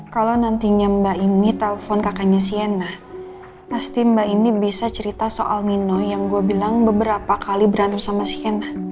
kalau nantinya mbak ini telpon kakaknya sienna pasti mbak ini bisa cerita soal nino yang gue bilang beberapa kali berantem sama sienna